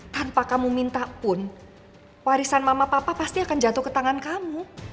tanpa kamu minta pun warisan mama papa pasti akan jatuh ke tangan kamu